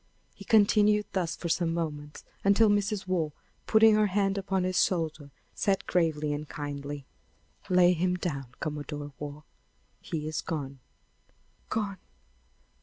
He continued thus for some moments, until Mrs. Waugh, putting her hand upon his shoulder, said gravely and kindly: "Lay him down, Commodore Waugh; he is gone." "Gone!